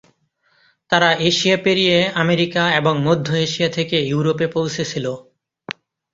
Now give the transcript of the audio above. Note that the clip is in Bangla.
তারা এশিয়া পেরিয়ে আমেরিকা এবং মধ্য এশিয়া থেকে ইউরোপে পৌঁছেছিল।